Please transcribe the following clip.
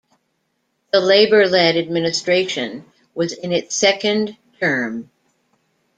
The Labour-led administration was in its second term.